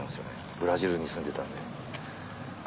ブラジルに住んでたんで。